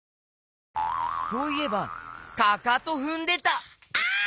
そういえばかかとふんでた！